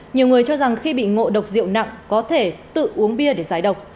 nhiều người cho rằng khi bị ngộ độc rượu nặng có thể tự uống bia để giải độc